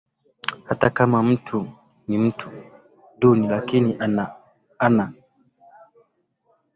hata kama mtu ni mtu duni lakini ana ana